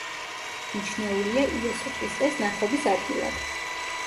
მიჩნეულია იესო ქრისტეს ნათლობის ადგილად.